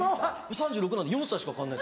３６なんで４歳しか変わんない。